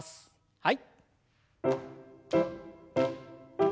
はい。